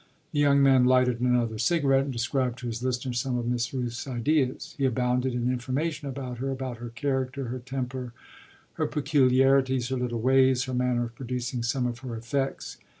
The young man lighted another cigarette and described to his listener some of Miss Rooth's ideas. He abounded in information about her about her character, her temper, her peculiarities, her little ways, her manner of producing some of her effects.